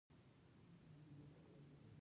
پښتو ژبه د ادب د نوې ژبې پر لور حرکت وکړي.